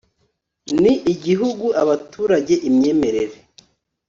ni igihugu abaturage imyemerere